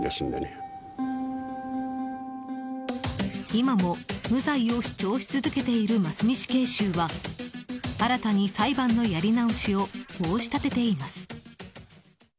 今も無罪を主張し続けている真須美死刑囚は新たに裁判のやり直しを申し立てています。